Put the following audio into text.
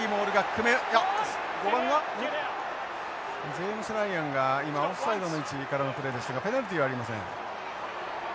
ジェームズライアンが今オフサイドの位置からのプレーでしたがペナルティはありません。